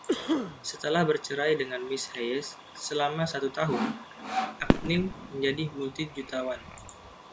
Setelah bercerai dari Ms. Hayes selama satu tahun, Agnew menjadi multi-jutawan.